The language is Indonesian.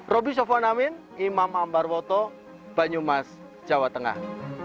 roby sofwan amin imam ambarwoto banyumas jawa tengah